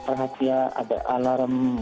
rahasia ada alarm